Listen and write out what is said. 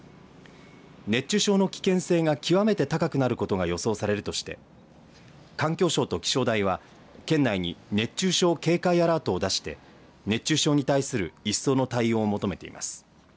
熱中症の危険性が極めて高くなることが予想されるとして環境省と気象台は県内に熱中症警戒アラートを出して熱中症に対する一層の対応を求めています。